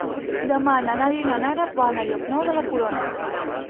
Demà na Nàdia i na Nara van a Llocnou de la Corona.